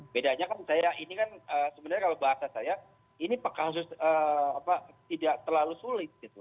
bedanya kan saya ini kan sebenarnya kalau bahasa saya ini kasus tidak terlalu sulit gitu